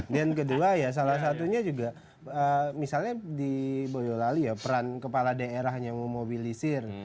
dan kedua ya salah satunya juga misalnya di boyolali ya peran kepala daerahnya memobilisir